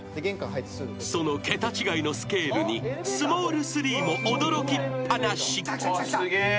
［その桁違いのスケールにスモール３も驚きっ放し］